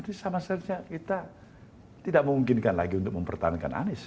jadi sama sama kita tidak memungkinkan lagi untuk mempertahankan anies